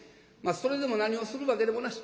それでも何をするわけでもなし。